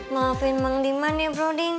maafin emang dimana ya broding